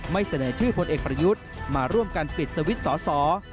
เสนอชื่อพลเอกประยุทธ์มาร่วมกันปิดสวิตช์สอสอ